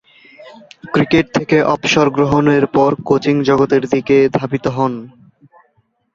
Cricket থেকে অবসর গ্রহণের পর কোচিং জগতের দিকে ধাবিত হন।